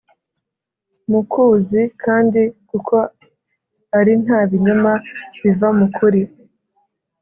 mukuzi kandi kuko ari nta binyoma biva mu kuri